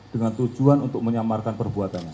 dengan tujuan untuk menyamarkan perbuatannya